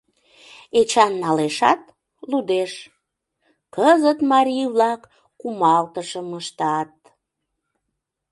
Эчан налешат, лудеш: «Кызыт марий-влак кумалтышым ыштат...